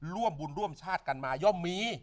ร่วมบุญร่วมชาติกันมาย่อมมี